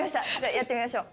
やってみましょう。